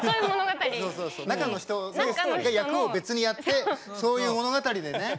中の人が役を別にやってそういう物語でね。